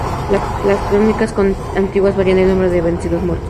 Las crónicas antiguas varían el número de vencidos muertos.